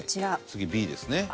次Ｂですね。